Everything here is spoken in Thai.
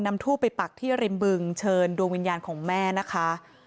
ทูบไปปักที่ริมบึงเชิญดวงวิญญาณของแม่นะคะ